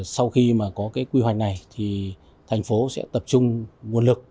sau khi có quy hoạch này thành phố sẽ tập trung nguồn lực